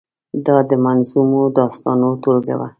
دا د منظومو داستانو ټولګه وه.